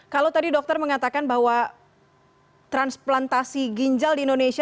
kalau tadi dokter mengatakan bahwa transplantasi ginjal di indonesia